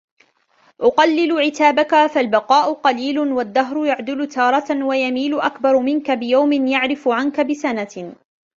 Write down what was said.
أقلل عتابك فالبقاء قليل والدهر يعدل تارة ويميل أكبر منك بيوم يعرف عنك بسنة